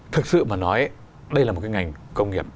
thực sự mà nói đây là một cái ngành công nghiệp